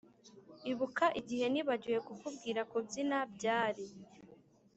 ibuka igihe nibagiwe kukubwira kubyina byari